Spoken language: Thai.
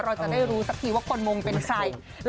เราจะได้รู้สักทีว่าคนมงเป็นใคร